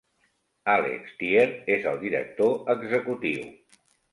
Alex Thier és el director executiu.